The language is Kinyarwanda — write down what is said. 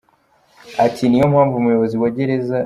Ati “Niyo mpamvu umuyobozi wa gereza.